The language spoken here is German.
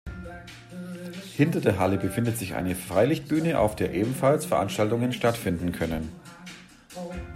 Hinter der Halle befindet sich eine Freilichtbühne auf der ebenfalls Veranstaltungen stattfinden können.